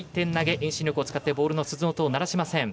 遠心力を使ってボールの鈴の音を鳴らしません。